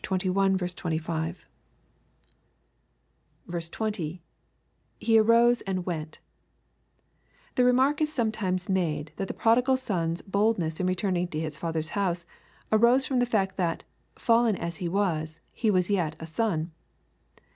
25. 20. — [He arose and went] The remark is sometimes made that the prodigal son's boldness in returning to his father's house, arose from the fact that, fallen as he was, he was yet " a son."